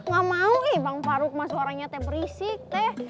gak mau bang faruk mas suaranya teh berisik teh